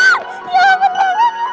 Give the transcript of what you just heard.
ya ampun roman